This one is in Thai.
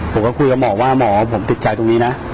ผมก็คุยกับหมอว่าหมอผมติดใจตรงนี้นะ